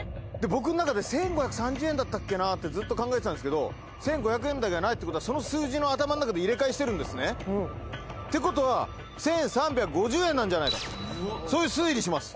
僕んなかで１５３０円だったっけなってずっと考えてたんですけど１５００円台がないその数字の入れ替えしてるんですねってことは１３５０円なんじゃないかそういう推理します